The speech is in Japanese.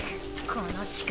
この力。